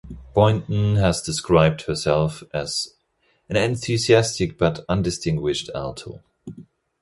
Boynton has described herself as "an enthusiastic but undistinguished alto".